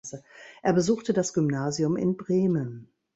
Er besuchte das Gymnasium in Bremen.